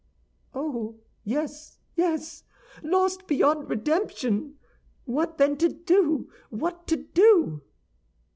"Oh, yes, yes; lost beyond redemption! What, then, to do? What to do?"